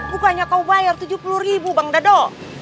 bukannya kau bayar tujuh puluh ribu bang dado